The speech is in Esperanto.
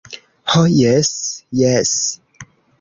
Ho jes, jes.